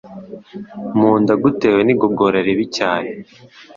mu nda gutewe n’igogora ribi cyane